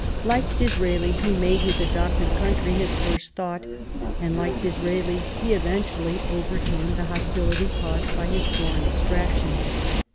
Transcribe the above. Like Disraeli he made his adopted country his first thought, and like Disraeli he eventually overcame the hostility caused by his foreign extraction.